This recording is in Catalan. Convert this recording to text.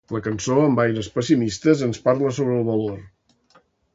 La cançó amb aires pessimistes ens parla sobre el valor.